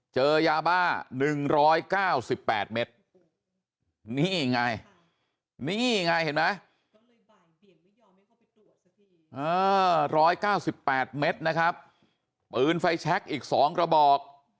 เจอยาบ้า๑๙๘เมตรนี่ไงนี่ไงเห็นไหม๑๙๘เมตรนะครับปืนไฟแชคอีก๒กระบอก